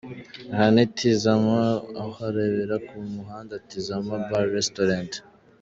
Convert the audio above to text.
Aha ni Tizama uharebera ku muhandaTizama Bar&Restaurent .